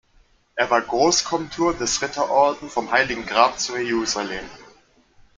Er war Großkomtur des Ritterorden vom Heiligen Grab zu Jerusalem.